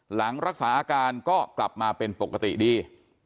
หลังรักษาอาการก็กลับมาเป็นปกติดี